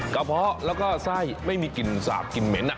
เพาะแล้วก็ไส้ไม่มีกลิ่นสาบกลิ่นเหม็น